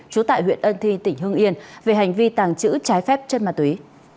trú tại huyện ân thi tỉnh hương yên về hành vi tàng trữ trái phép chất ma túy